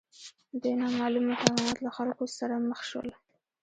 نوي نامعلومه حیوانات له خلکو سره مخ شول.